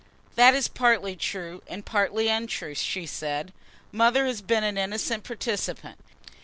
"That is partly true and partly untrue," she said. "Mother has been an innocent participant.